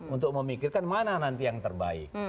untuk memikirkan mana nanti yang terbaik